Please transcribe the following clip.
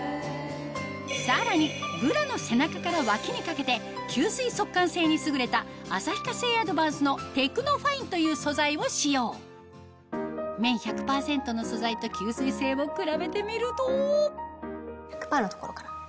さらにブラの背中から脇にかけて吸水速乾性に優れた旭化成アドバンスのテクノファインという素材を使用綿１００％の素材と吸水性を比べてみると１００％の所から。